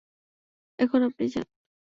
এখন আপনি যান।